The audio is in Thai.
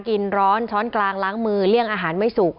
กินร้อนช้อนกลางล้างมือเลี่ยงอาหารไม่สุก